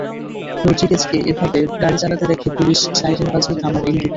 রদ্রিগেজকে এভাবে গাড়ি চালাতে দেখে পুলিশ সাইরেন বাজিয়ে থামার ইঙ্গিত দেয়।